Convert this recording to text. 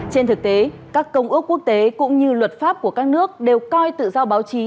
trên thực tế các công ước quốc tế cũng như luật pháp của các nước đều coi tự do báo chí